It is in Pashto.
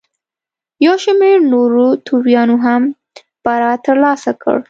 یو شمېر نورو توریانو هم برائت ترلاسه کړ.